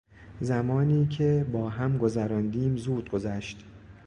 زمانی که با هم گذراندیم زود گذشت.